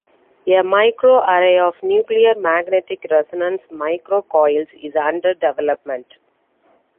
A microarray of nuclear magnetic resonance microcoils is under development.